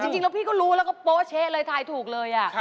จริงแล้วพี่ก็รู้แล้วก็โป๊เช๊ะเลยทายถูกเลย